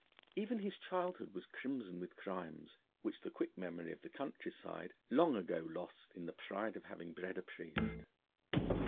Even his childhood was crimson with crimes, which the quick memory of the countryside long ago lost in the pride of having bred a priest.